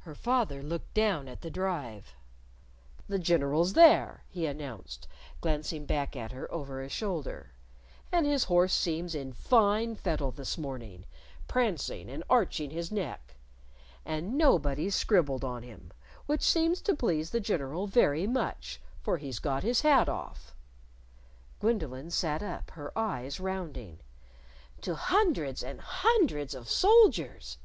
Her father looked down at the Drive. "The General's there!" he announced, glancing back at her over a shoulder. "And his horse seems in fine fettle this morning, prancing, and arching his neck. And nobody's scribbled on him, which seems to please the General very much, for he's got his hat off " Gwendolyn sat up, her eyes rounding. "To hundreds and hundreds of soldiers!"